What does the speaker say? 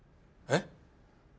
えっ？